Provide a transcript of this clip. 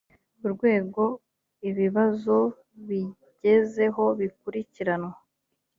urwego ibibazo bigezeho bikurikiranwa